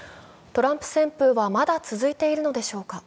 トランプ旋風はまだ続いているのでしょうか。